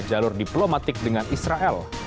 jalur diplomatik dengan israel